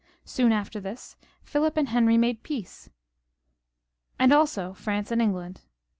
Soon after this Philip and Henry made peace, and also France and England.